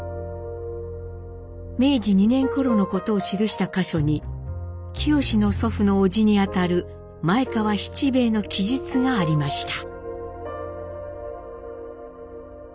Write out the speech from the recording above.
明治２年ころのことを記した箇所に清の祖父の伯父にあたる前川七平の記述がありました。